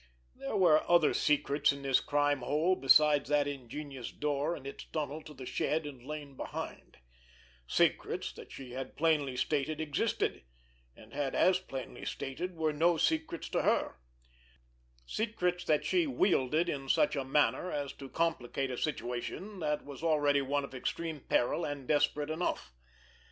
There were other secrets in this crime hole besides that ingenious door and its tunnel to the shed and lane behind; secrets that she had plainly stated existed, and had as plainly stated were no secrets to her; secrets that she wielded in such a manner as to complicate a situation that was already one of extreme peril and desperate enough.